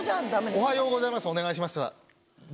「おはようございますお願いします」。